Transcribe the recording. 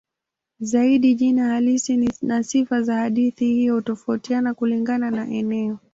Zaidi jina halisi na sifa za hadithi hiyo hutofautiana kulingana na eneo.